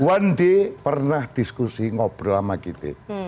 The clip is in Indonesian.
one day pernah diskusi ngobrol sama kita